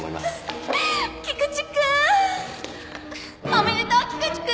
おめでとう菊池君！